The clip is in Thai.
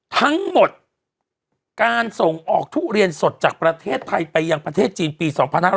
ทั้งหมดการส่งออกทุเรียนสดจากประเทศไทยไปยังประเทศจีนปี๒๕๖๐